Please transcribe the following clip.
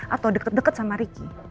atau deket deket sama ricky